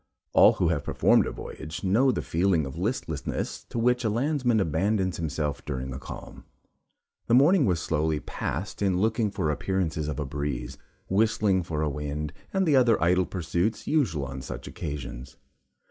All who have performed a voyage, know the feeling of listlessness to which a landsman abandons himself during a calm. The morning was slowly passed in looking for appearances of a breeze whistling for a wind, and the other idle pursuits usual on such occasions.